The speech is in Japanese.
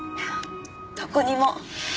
どこにも。